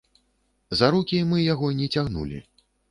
За рукі мы яго не цягнулі.